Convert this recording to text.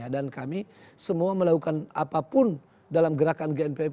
dan kami semua melakukan apapun dalam gerakan gnpf